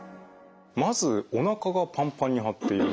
まずおなかがパンパンに張っている。